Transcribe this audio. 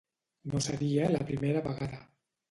No seria la primera vegada.